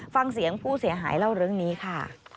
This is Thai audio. ฟังเสียงผู้เสียหายเล่าเรื่องนี้ค่ะ